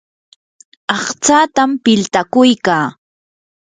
aqtsatam piltakuykaa.